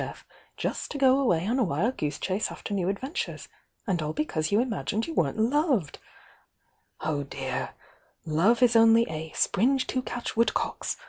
"^'^i^' Jf ° 8° ^'^^y o" a wild goose cCe after new adventures, and all because you imagined you weren't loved! Oh, dear! Love is only 'a sSS to catch woodcocks!'